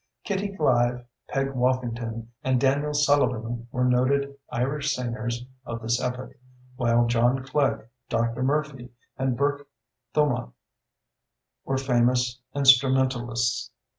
Kitty Clive, Peg Woffington, and Daniel Sullivan were noted Irish singers of this epoch, while John Clegg, Dr. Murphy, and Burke Thumoth were famous instrumentalists.